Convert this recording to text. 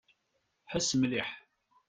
Ḥess mliḥ.